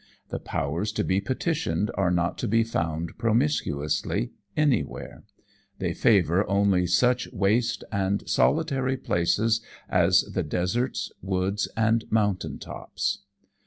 The powers to be petitioned are not to be found promiscuously anywhere. They favour only such waste and solitary places as the deserts, woods, and mountain tops.